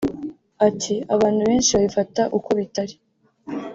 Ati "abantu benshi babifata uko bitari